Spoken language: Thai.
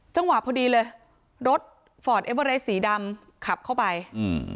จังหวะพอดีเลยรถฟอร์ดเอเวอเรสสีดำขับเข้าไปอืม